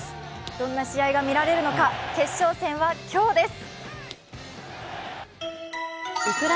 どんな試合が見られるのか、決勝戦は今日です。